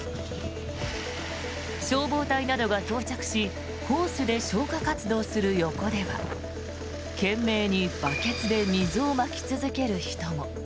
消防隊などが到着しホースで消火活動する横では懸命にバケツで水をまき続ける人も。